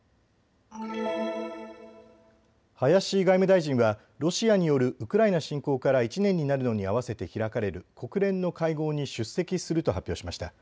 林外務大臣はロシアによるウクライナ侵攻から１年になるのに合わせて開かれる国連の会合に出席すると発表しました。